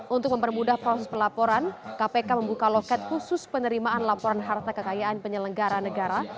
untuk mempermudah proses pelaporan kpk membuka loket khusus penerimaan laporan harta kekayaan penyelenggara negara